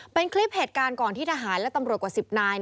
เป็นคลิปเหตุการณ์ก่อนที่ทหารและตำรวจกว่า๑๐นาย